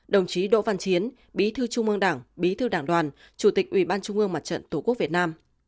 đồng chí đỗ văn chiến bí thư trung ương đảng bí thư đảng đoàn chủ tịch ủy ban trung ương mặt trận tổ quốc việt nam